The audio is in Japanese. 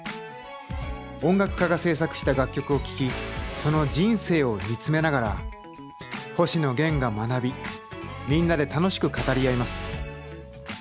音楽家が制作した楽曲を聴きその人生を見つめながら星野源が学びみんなで楽しく語り合います。